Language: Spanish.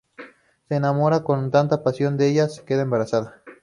Se enamoran con tanta pasión que ella se queda embarazada.